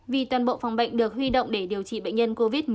vì toàn bộ phòng bệnh được huy động để điều trị bệnh nhân covid một mươi chín